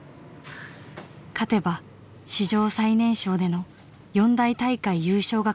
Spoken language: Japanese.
勝てば史上最年少での四大大会優勝がかかる大一番。